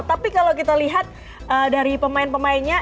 tapi kalau kita lihat dari pemain pemainnya